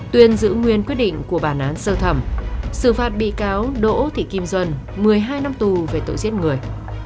tuyên giữ nguyên quyết định của bản án sơ thẩm xử phạt bị cáo đỗ thị kim duân một mươi hai năm tù về tội giết người